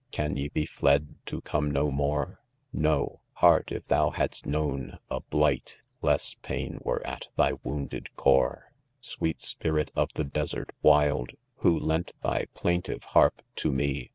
Can ye be fled to come no inore^? — No !— heart, if thou had'st known a blighf 9 Less pain were al thy wounded core,. Sweet spirit of the desert wild. Who lent "thy plaintive harp to me.